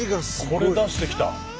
これ出してきた？